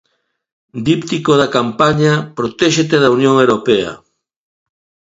Díptico da campaña "Protéxete da Unión Europea".